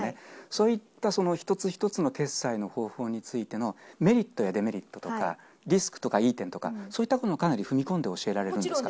そういった、一つ一つの決済の方法についてのメリットやデメリットや、リスクとかいい点とか、そういったこともかなり踏み込んで教えられるんもちろんです。